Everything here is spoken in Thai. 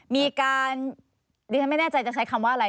มีการดิฉันไม่แน่ใจจะใช้คำว่าอะไร